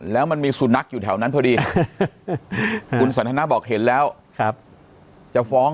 แล้วมันมีสุนัขอยู่แถวนั้นพอดีบอกเห็นแล้วครับจะฟ้อง